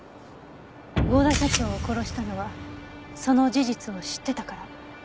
合田社長を殺したのはその事実を知ってたから。